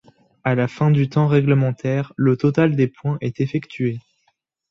À la fin du temps règlementaire, le total des points est effectué.